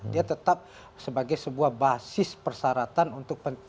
dia tetap sebagai sebuah basis persyaratan untuk